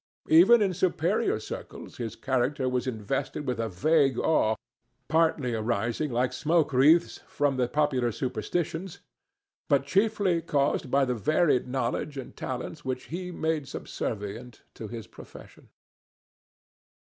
Even in superior circles his character was invested with a vague awe, partly rising like smoke wreaths from the popular superstitions, but chiefly caused by the varied knowledge and talents which he made subservient to his profession.